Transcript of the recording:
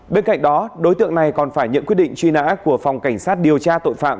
bên cạnh đó đối tượng này còn phải nhận quyết định truy nã của phòng cảnh sát điều tra tội phạm